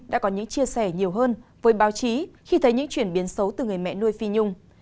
đã có những chia sẻ nhiều hơn với báo chí khi thấy những chuyển biến xấu từ người mẹ nuôi phi nhung